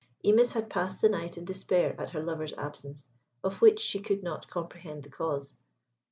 Imis had passed the night in despair at her lover's absence, of which she could not comprehend the cause.